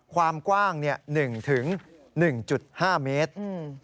ความกว้าง๑๑๕เมตร